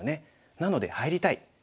なので入りたい。